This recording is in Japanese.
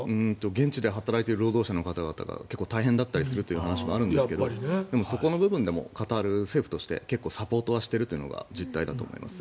現地で働いている労働者の方々が大変だったりするという話もあるんですがそこの部分でもカタール政府としてサポートしているというのが実態です。